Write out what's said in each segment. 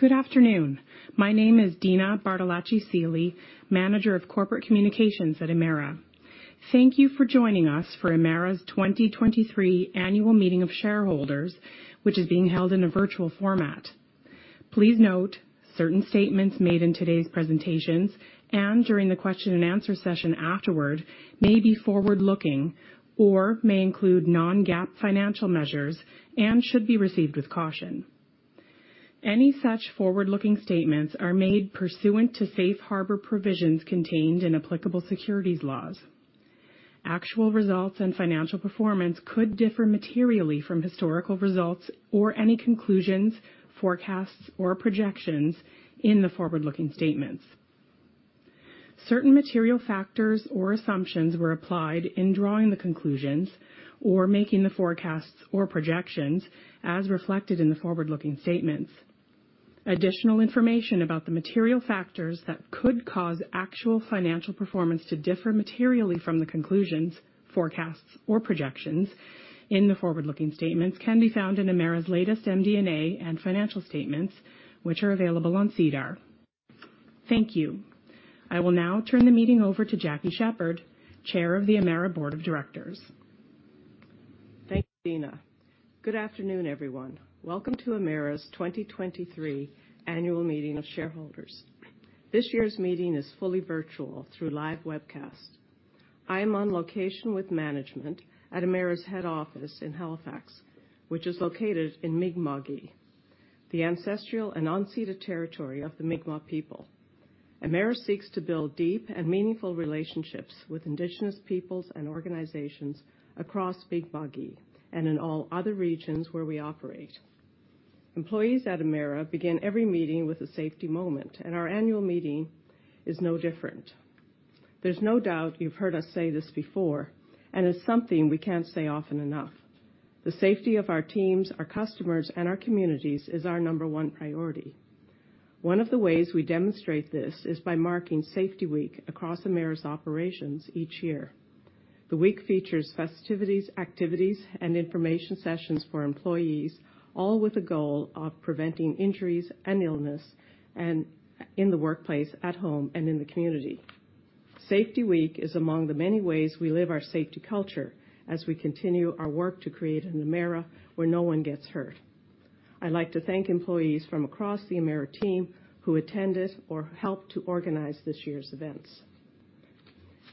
Good afternoon. My name is Dina Bartolacci Seely, Manager of Corporate Communications at Emera. Thank you for joining us for Emera's 2023 Annual Meeting of Shareholders, which is being held in a virtual format. Please note, certain statements made in today's presentations and during the question and answer session afterward may be forward-looking or may include non-GAAP financial measures and should be received with caution. Any such forward-looking statements are made pursuant to safe harbor provisions contained in applicable securities laws. Actual results and financial performance could differ materially from historical results or any conclusions, forecasts, or projections in the forward-looking statements. Certain material factors or assumptions were applied in drawing the conclusions or making the forecasts or projections as reflected in the forward-looking statements. Additional information about the material factors that could cause actual financial performance to differ materially from the conclusions, forecasts, or projections in the forward-looking statements can be found in Emera's latest MD&A and financial statements, which are available on SEDAR. Thank you. I will now turn the meeting over to Jackie Sheppard, Chair of the Emera Board of Directors. Thanks, Dina. Good afternoon, everyone. Welcome to Emera's 2023 Annual Meeting of Shareholders. This year's meeting is fully virtual through live webcast. I am on location with management at Emera's head office in Halifax, which is located in Mi'kma'ki, the ancestral and unceded territory of the Mi'kmaq people. Emera seeks to build deep and meaningful relationships with indigenous peoples and organizations across Mi'kma'ki and in all other regions where we operate. Employees at Emera begin every meeting with a safety moment. Our annual meeting is no different. There's no doubt you've heard us say this before. It's something we can't say often enough. The safety of our teams, our customers, and our communities is our number one priority. One of the ways we demonstrate this is by marking Safety Week across Emera's operations each year. The week features festivities, activities, and information sessions for employees, all with the goal of preventing injuries and illness and in the workplace, at home, and in the community. Safety Week is among the many ways we live our safety culture as we continue our work to create an Emera where no one gets hurt. I'd like to thank employees from across the Emera team who attended or helped to organize this year's events.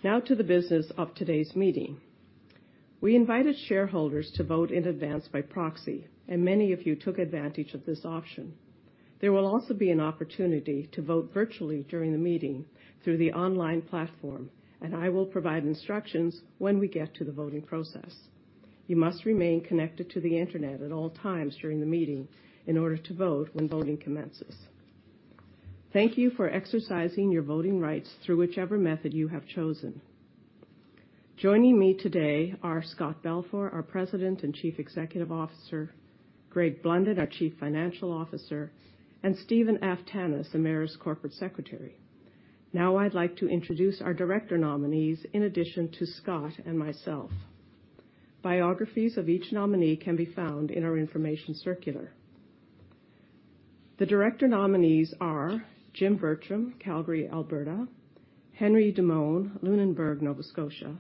Now to the business of today's meeting. We invited shareholders to vote in advance by proxy, and many of you took advantage of this option. There will also be an opportunity to vote virtually during the meeting through the online platform, and I will provide instructions when we get to the voting process. You must remain connected to the Internet at all times during the meeting in order to vote when voting commences. Thank you for exercising your voting rights through whichever method you have chosen. Joining me today are Scott Balfour, our President and Chief Executive Officer, Greg Blunden, our Chief Financial Officer, and Stephen Aftanas, Emera's Corporate Secretary. I'd like to introduce our director nominees in addition to Scott and myself. Biographies of each nominee can be found in our information circular. The director nominees are Jim Bertram, Calgary, Alberta, Henry Demone, Lunenburg, Nova Scotia,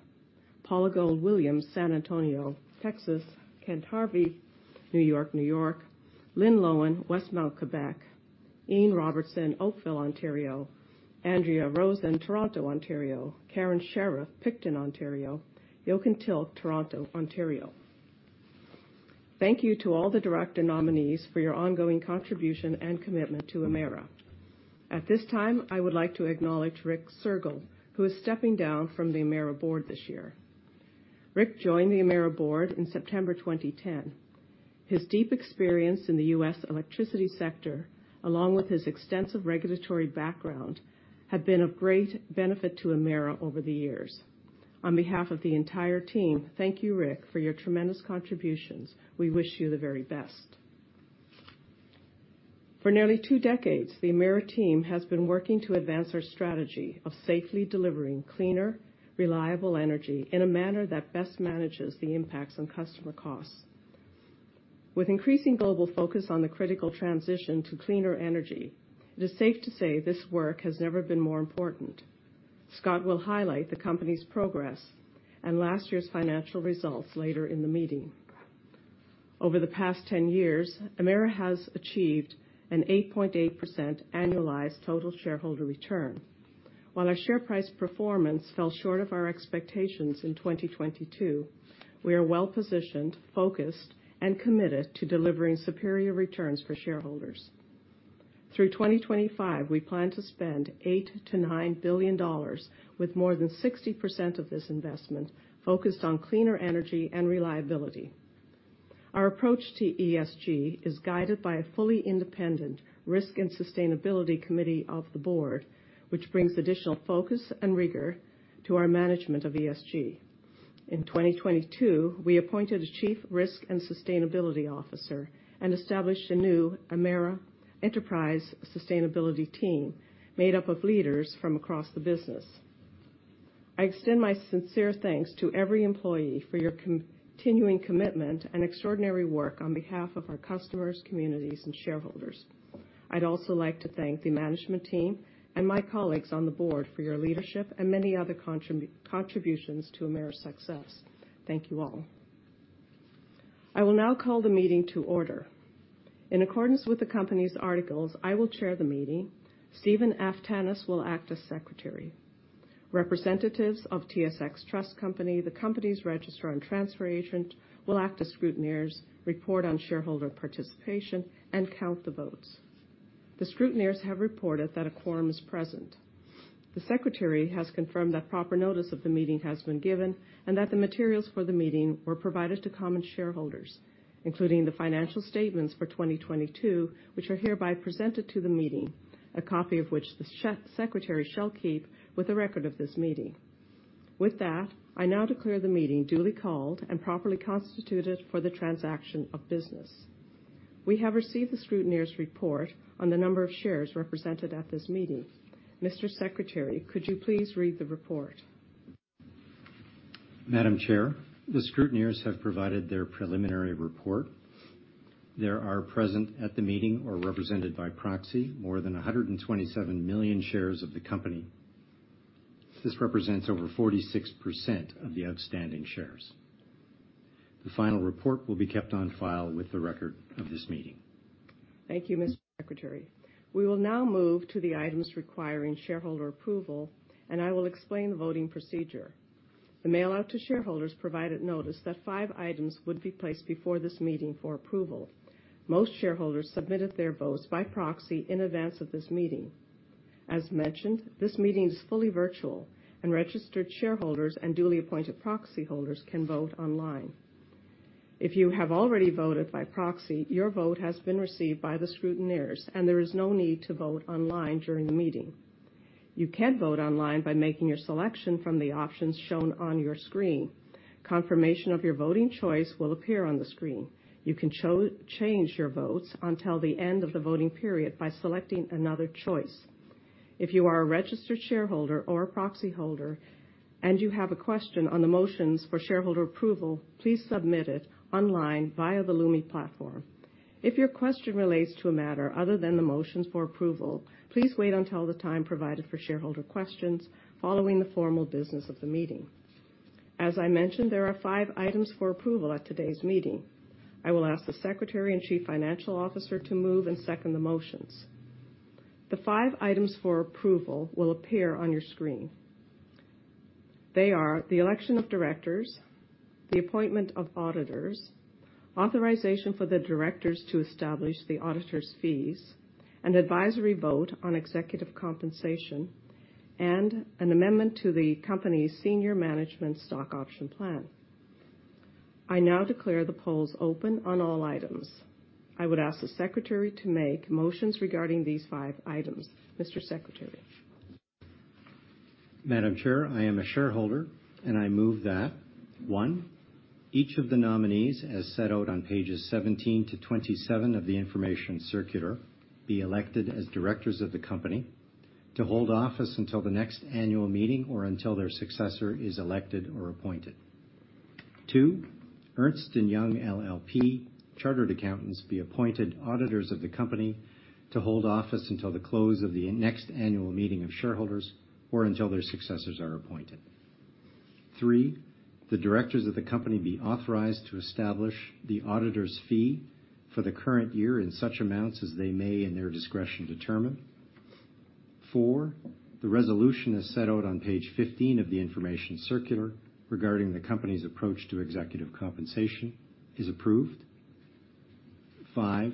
Paula Gold-Williams, San Antonio, Texas, Kent Harvey, New York, New York, Lynn Loewen, Westmount, Quebec, Ian Robertson, Oakville, Ontario, Andrea Rosen, Toronto, Ontario, Karen Sheriff, Picton, Ontario, Jochen Tilk, Toronto, Ontario. Thank you to all the director nominees for your ongoing contribution and commitment to Emera. At this time, I would like to acknowledge Rick Sergel, who is stepping down from the Emera board this year. Rick joined the Emera board in September 2010. His deep experience in the U.S. electricity sector, along with his extensive regulatory background, have been of great benefit to Emera over the years. On behalf of the entire team, thank you, Rick, for your tremendous contributions. We wish you the very best. For nearly two decades, the Emera team has been working to advance our strategy of safely delivering cleaner, reliable energy in a manner that best manages the impacts on customer costs. With increasing global focus on the critical transition to cleaner energy, it is safe to say this work has never been more important. Scott will highlight the company's progress and last year's financial results later in the meeting. Over the past 10 years, Emera has achieved an 8.8% annualized total shareholder return. While our share price performance fell short of our expectations in 2022, we are well-positioned, focused, and committed to delivering superior returns for shareholders. Through 2025, we plan to spend 8 billion-9 billion dollars, with more than 60% of this investment focused on cleaner energy and reliability. Our approach to ESG is guided by a fully independent risk and sustainability committee of the board, which brings additional focus and rigor to our management of ESG. In 2022, we appointed a chief risk and sustainability officer and established a new Emera Enterprise Sustainability team made up of leaders from across the business. I extend my sincere thanks to every employee for your continuing commitment and extraordinary work on behalf of our customers, communities, and shareholders. I'd also like to thank the management team and my colleagues on the board for your leadership and many other contributions to Emera's success. Thank you all. I will now call the meeting to order. In accordance with the company's articles, I will chair the meeting. Stephen Aftanas will act as Secretary. Representatives of TSX Trust Company, the company's registrar and transfer agent, will act as scrutineers, report on shareholder participation, and count the votes. The scrutineers have reported that a quorum is present. The Secretary has confirmed that proper notice of the meeting has been given, and that the materials for the meeting were provided to common shareholders, including the financial statements for 2022, which are hereby presented to the meeting, a copy of which the Secretary shall keep with a record of this meeting. With that, I now declare the meeting duly called and properly constituted for the transaction of business. We have received the scrutineer's report on the number of shares represented at this meeting. Mr. Secretary, could you please read the report? Madam Chair, the scrutineers have provided their preliminary report. There are present at the meeting or represented by proxy, more than 127 million shares of the company. This represents over 46% of the outstanding shares. The final report will be kept on file with the record of this meeting. Thank you, Mr. Secretary. We will now move to the items requiring shareholder approval, and I will explain the voting procedure. The mail out to shareholders provided notice that five items would be placed before this meeting for approval. Most shareholders submitted their votes by proxy in advance of this meeting. As mentioned, this meeting is fully virtual and registered shareholders and duly appointed proxy holders can vote online. If you have already voted by proxy, your vote has been received by the scrutineers and there is no need to vote online during the meeting. You can vote online by making your selection from the options shown on your screen. Confirmation of your voting choice will appear on the screen. You can change your votes until the end of the voting period by selecting another choice. If you are a registered shareholder or a proxy holder and you have a question on the motions for shareholder approval, please submit it online via the Lumi platform. If your question relates to a matter other than the motions for approval, please wait until the time provided for shareholder questions following the formal business of the meeting. As I mentioned, there are five items for approval at today's meeting. I will ask the Secretary and Chief Financial Officer to move and second the motions. The five items for approval will appear on your screen. They are the election of directors, the appointment of auditors, authorization for the directors to establish the auditors' fees, an advisory vote on executive compensation, and an amendment to the company's Senior Management Stock Option Plan. I now declare the polls open on all items. I would ask the Secretary to make motions regarding these five items. Mr. Secretary. Madam Chair, I am a shareholder, and I move that, one, each of the nominees, as set out on pages 17 to 27 of the information circular, be elected as directors of the company to hold office until the next annual meeting or until their successor is elected or appointed. Two, Ernst & Young LLP Chartered Accountants be appointed auditors of the company to hold office until the close of the next annual meeting of shareholders or until their successors are appointed. Three, the directors of the company be authorized to establish the auditors' fee for the current year in such amounts as they may, in their discretion, determine. Four, the resolution as set out on page 15 of the information circular regarding the company's approach to executive compensation is approved. Five,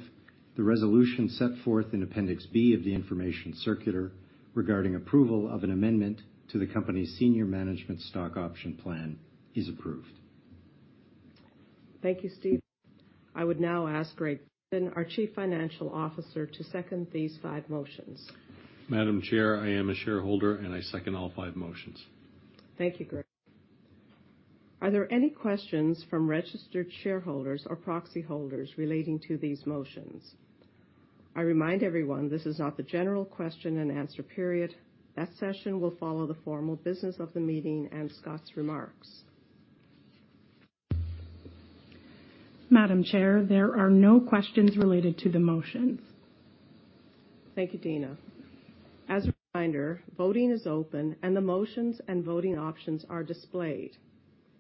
the resolution set forth in Appendix B of the information circular regarding approval of an amendment to the company's Senior Management Stock Option Plan is approved. Thank you, Steve. I would now ask Greg Blunden, our Chief Financial Officer, to second these five motions. Madam Chair, I am a shareholder, and I second all five motions. Thank you, Greg. Are there any questions from registered shareholders or proxy holders relating to these motions? I remind everyone this is not the general question-and-answer period. That session will follow the formal business of the meeting and Scott's remarks. Madam Chair, there are no questions related to the motions. Thank you, Dina. As a reminder, voting is open and the motions and voting options are displayed.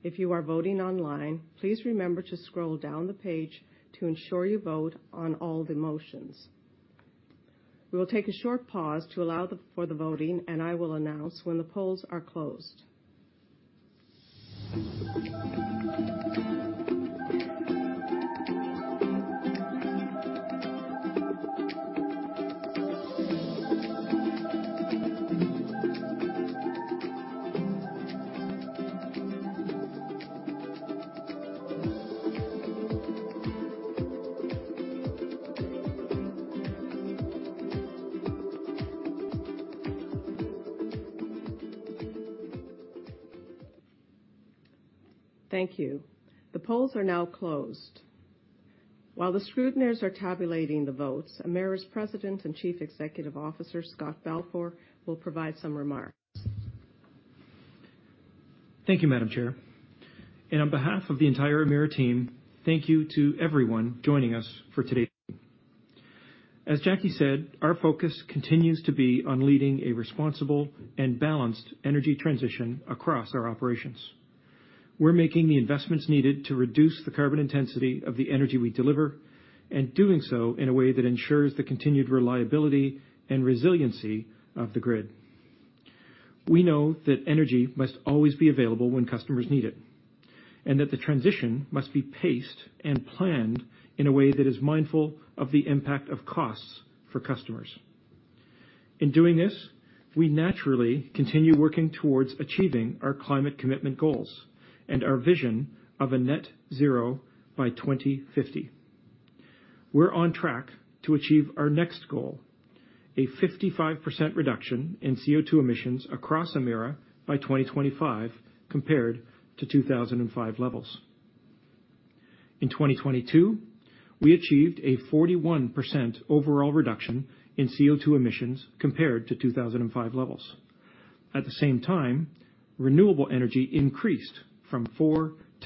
If you are voting online, please remember to scroll down the page to ensure you vote on all the motions. We will take a short pause to allow for the voting, and I will announce when the polls are closed. Thank you. The polls are now closed. While the scrutineers are tabulating the votes, Emera's President and Chief Executive Officer, Scott Balfour, will provide some remarks. Thank you, Madam Chair. On behalf of the entire Emera team, thank you to everyone joining us for today. As Jackie said, our focus continues to be on leading a responsible and balanced energy transition across our operations. We're making the investments needed to reduce the carbon intensity of the energy we deliver, and doing so in a way that ensures the continued reliability and resiliency of the grid. We know that energy must always be available when customers need it, and that the transition must be paced and planned in a way that is mindful of the impact of costs for customers. In doing this, we naturally continue working towards achieving our climate commitment goals and our vision of a net zero by 2050. We're on track to achieve our next goal, a 55% reduction in CO₂ emissions across Emera by 2025 compared to 2005 levels. In 2022, we achieved a 41% overall reduction in CO₂ emissions compared to 2005 levels. At the same time, renewable energy increased from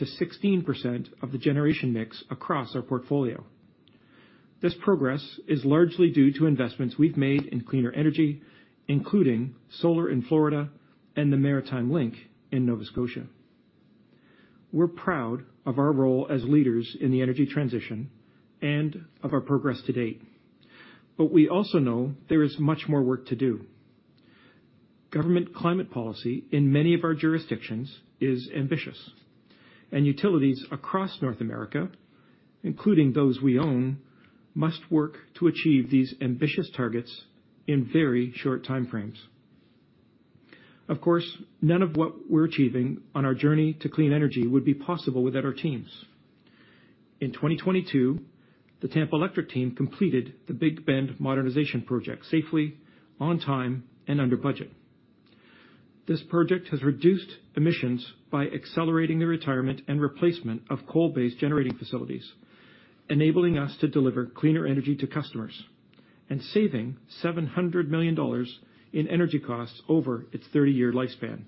4%-16% of the generation mix across our portfolio. This progress is largely due to investments we've made in cleaner energy, including solar in Florida and the Maritime Link in Nova Scotia. We're proud of our role as leaders in the energy transition and of our progress to date. We also know there is much more work to do. Government climate policy in many of our jurisdictions is ambitious, Utilities across North America, including those we own, must work to achieve these ambitious targets in very short time frames. Of course, none of what we're achieving on our journey to clean energy would be possible without our teams. In 2022, the Tampa Electric team completed the Big Bend modernization project safely, on time and under budget. This project has reduced emissions by accelerating the retirement and replacement of coal-based generating facilities, enabling us to deliver cleaner energy to customers and saving $700 million in energy costs over its 30-year lifespan.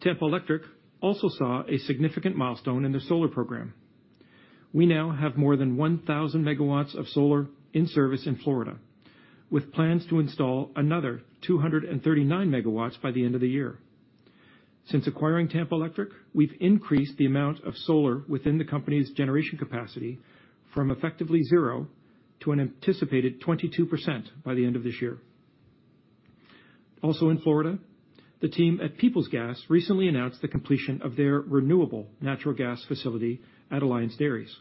Tampa Electric also saw a significant milestone in their solar program. We now have more than 1,000 megawatts of solar in service in Florida, with plans to install another 239 MW by the end of the year. Since acquiring Tampa Electric, we've increased the amount of solar within the company's generation capacity from effectively zero to an anticipated 22% by the end of this year. In Florida, the team at Peoples Gas recently announced the completion of their renewable natural gas facility at Alliance Dairies.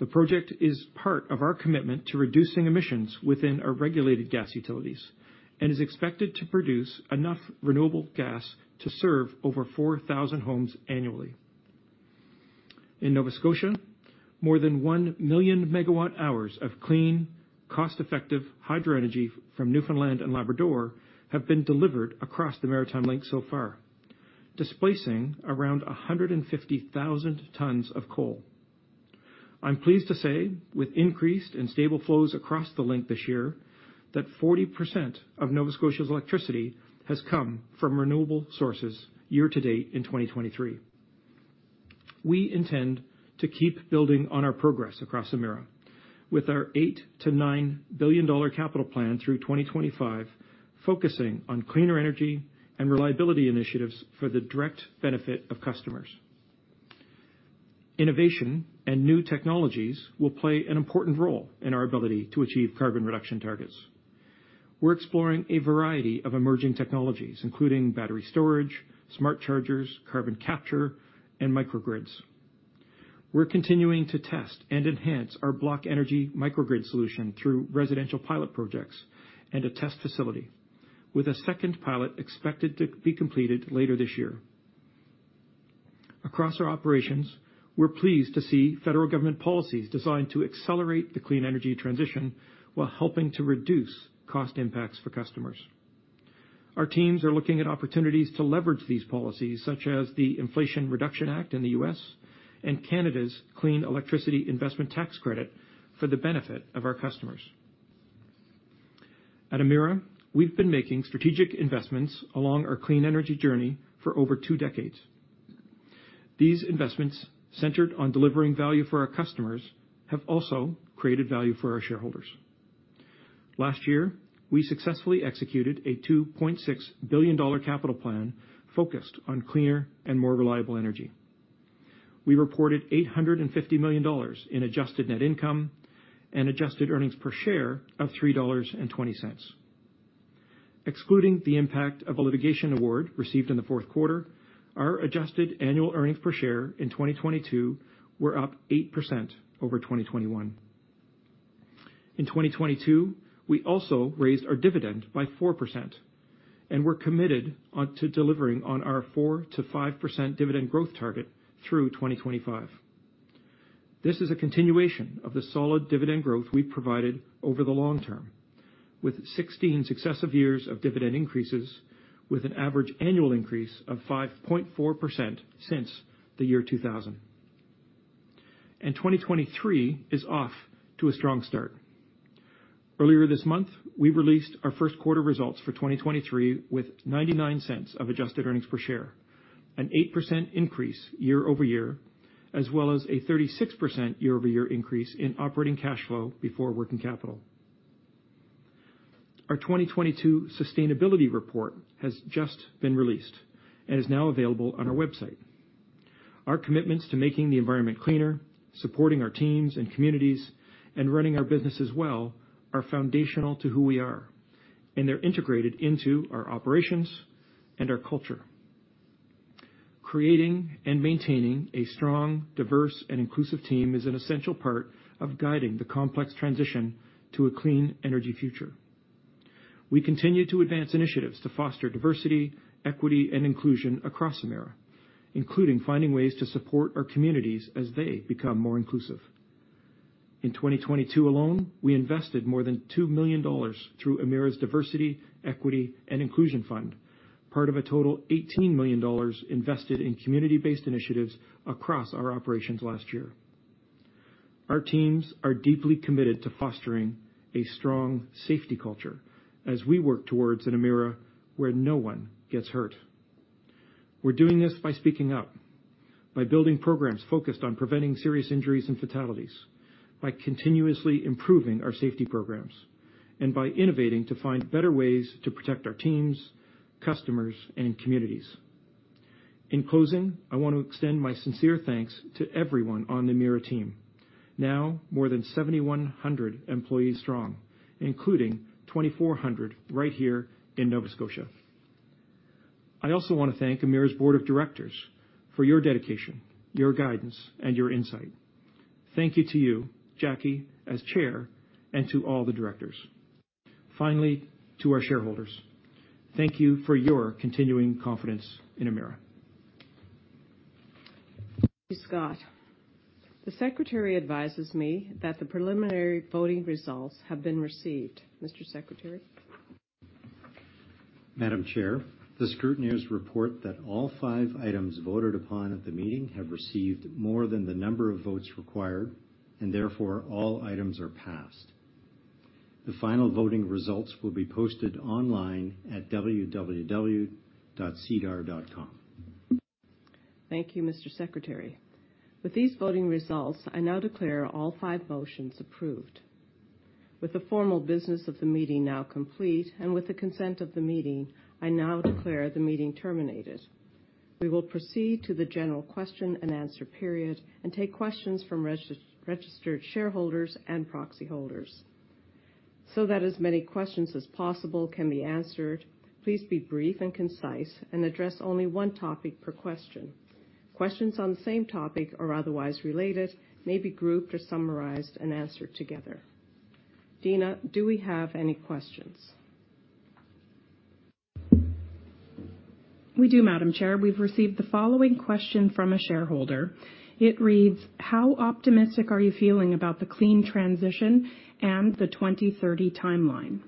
The project is part of our commitment to reducing emissions within our regulated gas utilities and is expected to produce enough renewable gas to serve over 4,000 homes annually. In Nova Scotia, more than 1 million MWh of clean, cost-effective hydro energy from Newfoundland and Labrador have been delivered across the Maritime Link so far, displacing around 150,000 tons of coal. I'm pleased to say, with increased and stable flows across the link this year, that 40% of Nova Scotia's electricity has come from renewable sources year to date in 2023. We intend to keep building on our progress across Emera with our $8 billion-$9 billion capital plan through 2025, focusing on cleaner energy and reliability initiatives for the direct benefit of customers. Innovation and new technologies will play an important role in our ability to achieve carbon reduction targets. We're exploring a variety of emerging technologies, including battery storage, smart chargers, carbon capture, and microgrids. We're continuing to test and enhance our BlockEnergy microgrid solution through residential pilot projects and a test facility, with a second pilot expected to be completed later this year. Across our operations, we're pleased to see federal government policies designed to accelerate the clean energy transition while helping to reduce cost impacts for customers. Our teams are looking at opportunities to leverage these policies, such as the Inflation Reduction Act in the U.S. and Canada's Clean Electricity Investment Tax Credit, for the benefit of our customers. At Emera, we've been making strategic investments along our clean energy journey for over two decades. These investments, centered on delivering value for our customers, have also created value for our shareholders. Last year, we successfully executed a 2.6 billion dollar capital plan focused on cleaner and more reliable energy. We reported 850 million dollars in adjusted net income and adjusted earnings per share of 3.20 dollars. Excluding the impact of a litigation award received in the fourth quarter, our adjusted annual earnings per share in 2022 were up 8% over 2021. In 2022, we also raised our dividend by 4%, and we're committed on to delivering on our 4%-5% dividend growth target through 2025. This is a continuation of the solid dividend growth we've provided over the long term, with 16 successive years of dividend increases, with an average annual increase of 5.4% since the year 2000. 2023 is off to a strong start. Earlier this month, we released our first quarter results for 2023 with $0.99 of adjusted earnings per share, an 8% increase year-over-year, as well as a 36% year-over-year increase in operating cash flow before working capital. Our 2022 sustainability report has just been released and is now available on our website. Our commitments to making the environment cleaner, supporting our teams and communities, and running our business well are foundational to who we are. They're integrated into our operations and our culture. Creating and maintaining a strong, diverse, and inclusive team is an essential part of guiding the complex transition to a clean energy future. We continue to advance initiatives to foster diversity, equity, and inclusion across Emera, including findin g ways to support our communities as they become more inclusive. In 2022 alone, we invested more than CAD 2 million through Emera's Diversity, Equity and Inclusion Fund, part of a total CAD 18 million invested in community-based initiatives across our operations last year. Our teams are deeply committed to fostering a strong safety culture as we work towards an Emera where no one gets hurt. We're doing this by speaking up, by building programs focused on preventing serious injuries and fatalities, by continuously improving our safety programs, and by innovating to find better ways to protect our teams, customers, and communities. In closing, I want to extend my sincere thanks to everyone on the Emera team, now more than 7,100 employees strong, including 2,400 right here in Nova Scotia. I also want to thank Emera's Board of Directors for your dedication, your guidance, and your insight. Thank you to you, Jackie, as Chair, and to all the directors. Finally, to our shareholders, thank you for your continuing confidence in Emera. Scott, the Secretary advises me that the preliminary voting results have been received. Mr. Secretary. Madam Chair, the scrutineers report that all five items voted upon at the meeting have received more than the number of votes required, and therefore all items are passed. The final voting results will be posted online at www.sedar.com. Thank you, Mr. Secretary. With these voting results, I now declare all five motions approved. With the formal business of the meeting now complete, with the consent of the meeting, I now declare the meeting terminated. We will proceed to the general question and answer period and take questions from registered shareholders and proxy holders. That as many questions as possible can be answered, please be brief and concise and address only one topic per question. Questions on the same topic or otherwise related may be grouped or summarized and answered together. Dina, do we have any questions? We do, Madam Chair. We've received the following question from a shareholder. It reads, "How optimistic are you feeling about the clean transition and the 2030 timeline?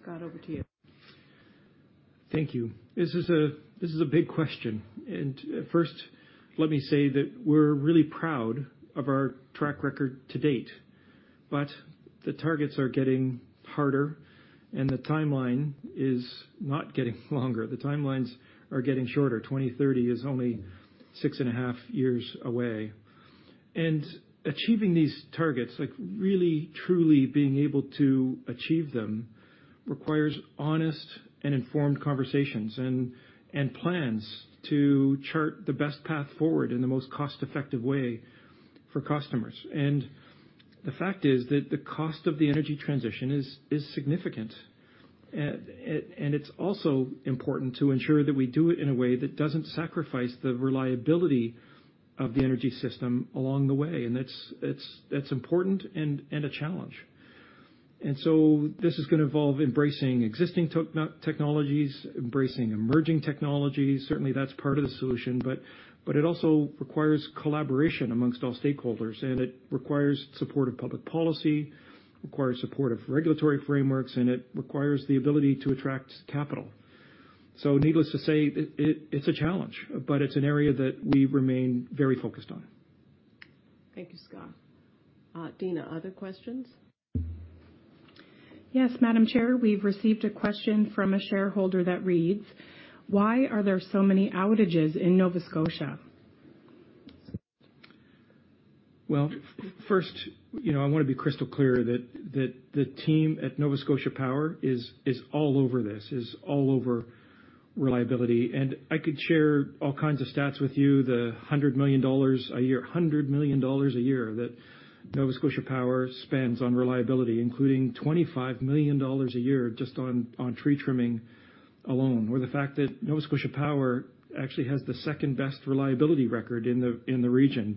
Scott, over to you. Thank you. This is a big question. First, let me say that we're really proud of our track record to date. The targets are getting harder and the timeline is not getting longer. The timelines are getting shorter. 2030 is only 6 and a half years away. Achieving these targets, like really, truly being able to achieve them, requires honest and informed conversations and plans to chart the best path forward in the most cost-effective way for customers. The fact is that the cost of the energy transition is significant. It's also important to ensure that we do it in a way that doesn't sacrifice the reliability of the energy system along the way. That's important and a challenge. This is gonna involve embracing existing technologies, embracing emerging technologies. Certainly, that's part of the solution. It also requires collaboration amongst all stakeholders, and it requires support of public policy, requires support of regulatory frameworks, and it requires the ability to attract capital. Needless to say, it's a challenge, but it's an area that we remain very focused on. Thank you, Scott. Dina, other questions? Yes, Madam Chair. We've received a question from a shareholder that reads, "Why are there so many outages in Nova Scotia? Well, first, you know, I wanna be crystal clear that the team at Nova Scotia Power is all over this, is all over reliability. I could share all kinds of stats with you, the 100 million dollars a year that Nova Scotia Power spends on reliability, including 25 million dollars a year just on tree trimming alone. The fact that Nova Scotia Power actually has the second-best reliability record in the region.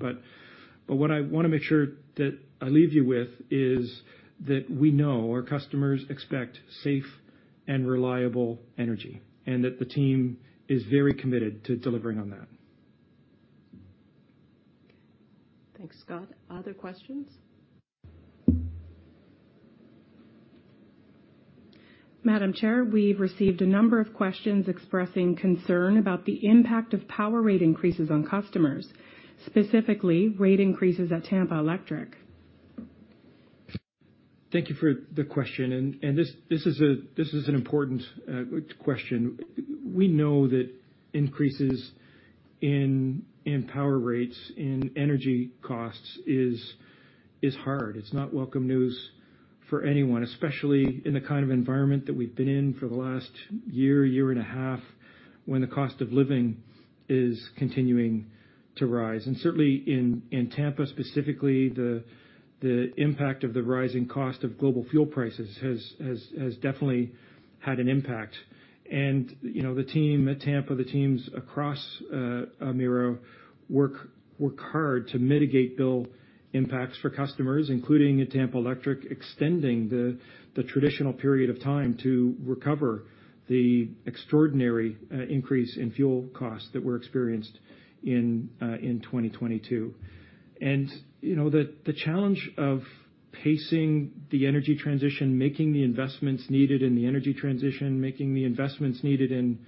What I wanna make sure that I leave you with is that we know our customers expect safe and reliable energy, and that the team is very committed to delivering on that. Thanks, Scott. Other questions? Madam Chair, we've received a number of questions expressing concern about the impact of power rate increases on customers, specifically rate increases at Tampa Electric. Thank you for the question. This is an important question. We know that increases in power rates in energy costs is hard. It's not welcome news for anyone, especially in the kind of environment that we've been in for the last year and a half, when the cost of living is continuing to rise. Certainly in Tampa, specifically, the impact of the rising cost of global fuel prices has definitely had an impact. You know, the team at Tampa, the teams across Emera work hard to mitigate bill impacts for customers, including at Tampa Electric, extending the traditional period of time to recover the extraordinary increase in fuel costs that were experienced in 2022. You know, the challenge of pacing the energy transition, making the investments needed in the energy transition, making the investments needed in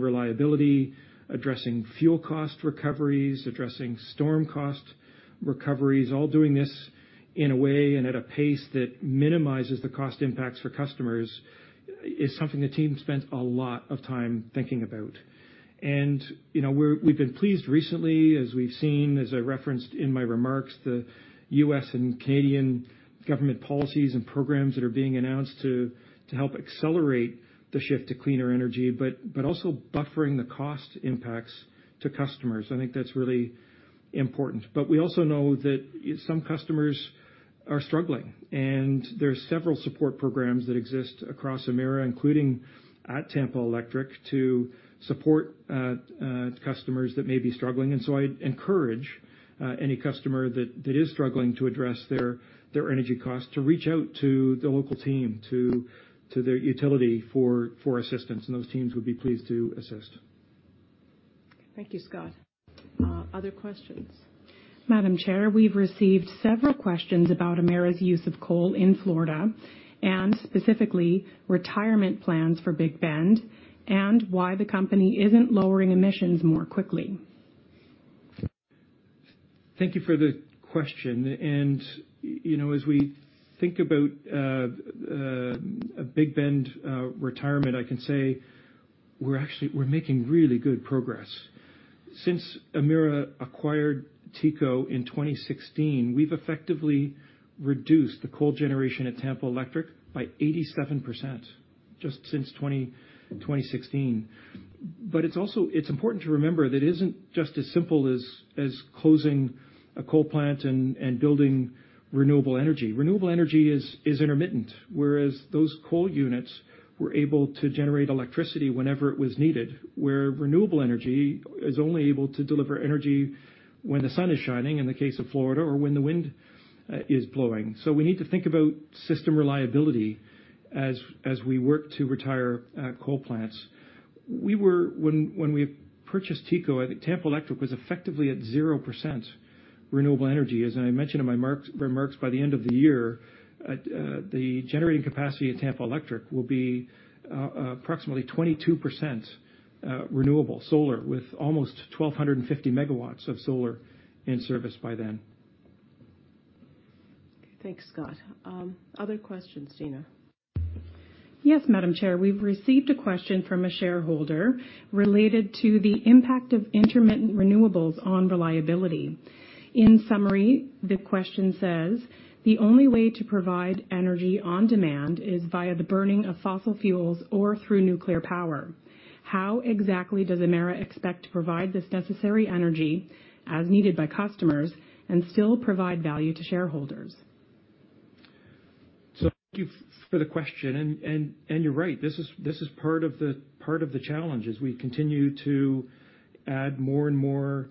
reliability, addressing fuel cost recoveries, addressing storm cost recoveries, all doing this in a way and at a pace that minimizes the cost impacts for customers is something the team spent a lot of time thinking about. You know, we've been pleased recently, as we've seen, as I referenced in my remarks, the U.S. and Canadian government policies and programs that are being announced to help accelerate the shift to cleaner energy, but also buffering the cost impacts to customers. I think that's really important. We also know that some customers are struggling, and there are several support programs that exist across Emera, including at Tampa Electric, to support customers that may be struggling. I'd encourage any customer that is struggling to address their energy costs to reach out to the local team to their utility for assistance. Those teams would be pleased to assist. Thank you, Scott. Other questions? Madam Chair, we've received several questions about Emera's use of coal in Florida and specifically retirement plans for Big Bend and why the company isn't lowering emissions more quickly. Thank you for the question. You know, as we think about Big Bend retirement, I can say we're actually, we're making really good progress. Since Emera acquired TECO in 2016, we've effectively reduced the coal generation at Tampa Electric by 87% just since 2016. It's also important to remember that it isn't just as simple as closing a coal plant and building renewable energy. Renewable energy is intermittent, whereas those coal units were able to generate electricity whenever it was needed, where renewable energy is only able to deliver energy when the sun is shining in the case of Florida or when the wind is blowing. We need to think about system reliability as we work to retire coal plants. When we purchased TECO, I think Tampa Electric was effectively at 0% renewable energy. As I mentioned in my remarks, by the end of the year, the generating capacity at Tampa Electric will be approximately 22% renewable solar, with almost 1,250 megawatts of solar in service by then. Thanks, Scott. other questions, Dina? Yes, Madam Chair. We've received a question from a shareholder related to the impact of intermittent renewables on reliability. In summary, the question says, "The only way to provide energy on demand is via the burning of fossil fuels or through nuclear power. How exactly does Emera expect to provide this necessary energy as needed by customers and still provide value to shareholders? Thank you for the question. You're right, this is part of the challenge. As we continue to add more and more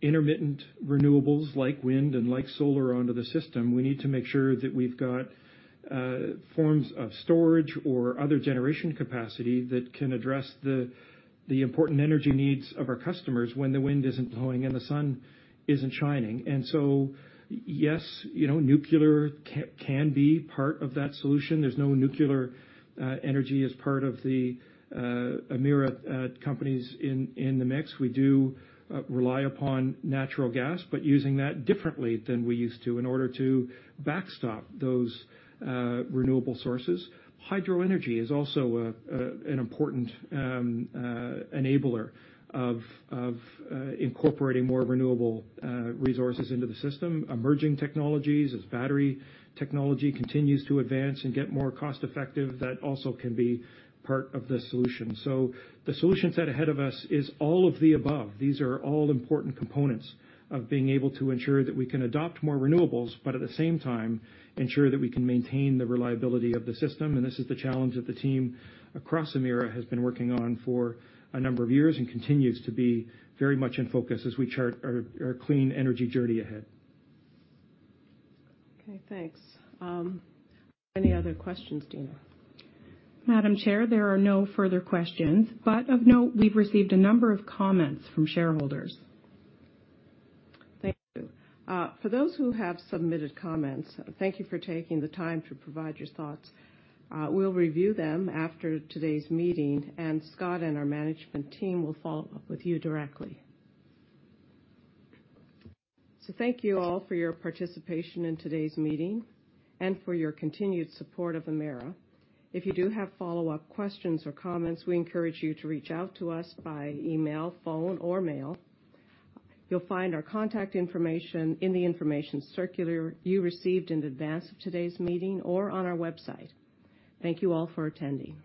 intermittent renewables like wind and like solar onto the system, we need to make sure that we've got forms of storage or other generation capacity that can address the important energy needs of our customers when the wind isn't blowing and the sun isn't shining. Yes, you know, nuclear can be part of that solution. There's no nuclear energy as part of the Emera companies in the mix. We do rely upon natural gas, but using that differently than we used to in order to backstop those renewable sources. Hydro energy is also an important enabler of incorporating more renewable resources into the system. Emerging technologies as battery technology continues to advance and get more cost-effective, that also can be part of the solution. The solution set ahead of us is all of the above. These are all important components of being able to ensure that we can adopt more renewables, but at the same time, ensure that we can maintain the reliability of the system. This is the challenge that the team across Emera has been working on for a number of years and continues to be very much in focus as we chart our clean energy journey ahead. Okay, thanks. Any other questions, Dina? Madam Chair, there are no further questions, but of note, we've received a number of comments from shareholders. Thank you. For those who have submitted comments, thank you for taking the time to provide your thoughts. We'll review them after today's meeting. Scott and our management team will follow up with you directly. Thank you all for your participation in today's meeting and for your continued support of Emera. If you do have follow-up questions or comments, we encourage you to reach out to us by email, phone, or mail. You'll find our contact information in the information circular you received in advance of today's meeting or on our website. Thank you all for attending.